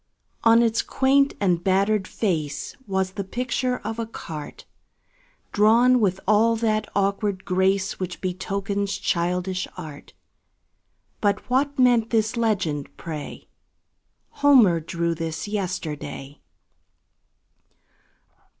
On its quaint and battered face Was the picture of a cart, Drawn with all that awkward grace Which betokens childish art; But what meant this legend, pray: "Homer drew this yesterday?"